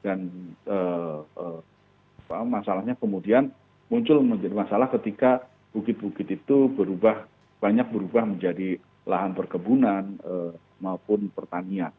dan masalahnya kemudian muncul menjadi masalah ketika bukit bukit itu berubah banyak berubah menjadi lahan perkebunan maupun pertanian